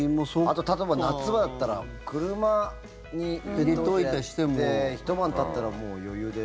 あと例えば夏場だったら車に置いてひと晩たったらもう余裕で。